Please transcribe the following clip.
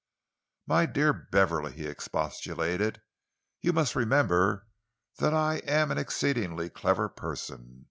"My dear Beverley," he expostulated, "you must remember that I am an exceedingly clever person.